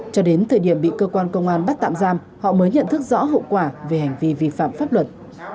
cho đến thời điểm bị cơ quan công an bắt tạm giam họ mới nhận thức rõ hậu quả về hành vi vi phạm pháp luật